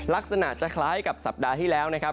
ลักษณะจะคล้ายกับสัปดาห์ที่แล้วนะครับ